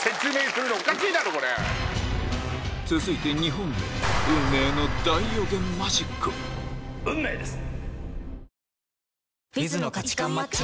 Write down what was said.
続いて２本目運命です！